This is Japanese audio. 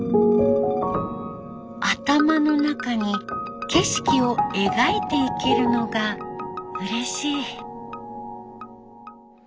頭の中に景色を描いていけるのがうれしい。